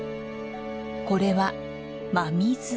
これは真水。